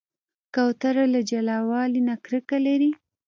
کوتره له جلاوالي نه کرکه لري.